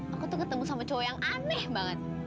aku tuh ketemu sama cowok yang aneh banget